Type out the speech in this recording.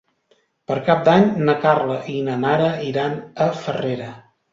Per Cap d'Any na Carla i na Nara iran a Farrera.